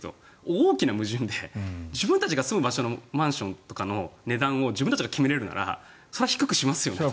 大きな矛盾で自分たちが住んでいくとこのマンションの値段を自分たちが決められるならそりゃ低くしますよね。